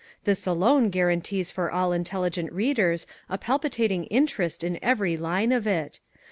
This alone guarantees for all intelligent readers a palpitating interest in every line of it.